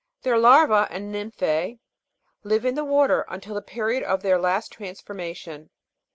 Their larvae and nymphcs (fig. 42) live in the water until the period of their last transformation.